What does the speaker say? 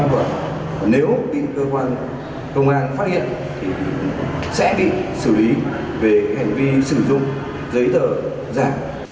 và nếu bị cơ quan công an phát hiện thì sẽ bị xử lý về hành vi sử dụng giấy tờ giả